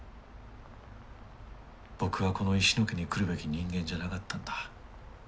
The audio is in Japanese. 僕はこの石野家に来るべき人間じゃなかったんだ。